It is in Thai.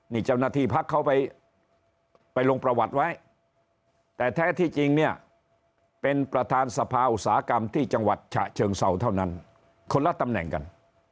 นี่เจ้าหน้าที่พักเขาไปลงประวัติไว้แต่แท้ที่จริงเนี่ยเป็นประธานสภาอุตสาหกรรมที่จังหวัดฉะเชิงเศร้าเท่านั้นคนละตำแหน่งกัน